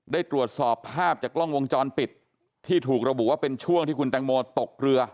ได้ตรวจสอบภาพจากกล้องวงจรปิดที่ถูกระบุว่าเป็นช่วงที่คุณแตงโมตกเรือ